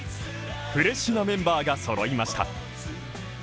フレッシュなメンバーがそろいました。